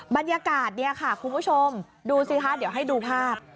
บรรยากาศเนี่ยค่ะคุณผู้ชมดูสิคะเดี๋ยวให้ดูภาพ